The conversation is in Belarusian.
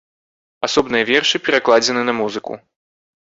Асобныя вершы пакладзены на музыку.